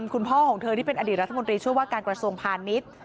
คุณพ่อของเธอที่เป็นอดีตรัฐมนตรีช่วยว่าการกระทรวงพาณิชย์